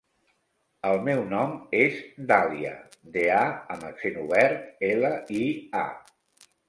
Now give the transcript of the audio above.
El meu nom és Dàlia: de, a amb accent obert, ela, i, a.